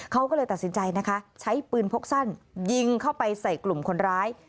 เขาก็เลยตัดสินใจนะคะใช้ปืนพกสั้นยิงเข้าไปใส่กลุ่มคนร้าย